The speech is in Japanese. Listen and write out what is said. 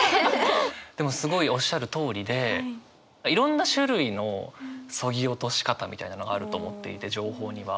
でもすごいおっしゃるとおりでいろんな種類の削ぎ落とし方みたいなのがあると思っていて情報には。